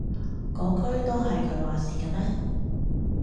嗰區都係佢話事㗎咩？